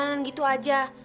seorang tim khalifa eh